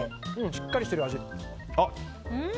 しっかりしてる味。